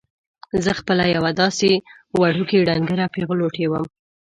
زه خپله یوه داسې وړوکې ډنګره پېغلوټې وم.